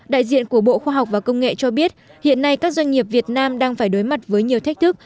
đại diện của bộ khoa học và công nghệ cho biết hiện nay các doanh nghiệp việt nam đang phải đối mặt với nhiều thách thức